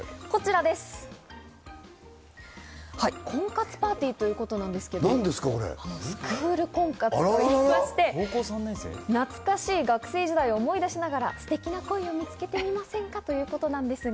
婚活パーティーということなんですが、スクール婚活といいまして、懐かしい学生時代を思い出しながらすてきな恋を見つけてみませんか？ということなんですが。